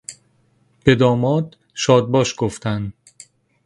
به داماد شادباش گفتن